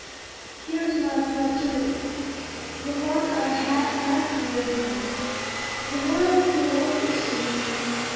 here's my platoon, the lot I had last year. "The War 'll be over soon."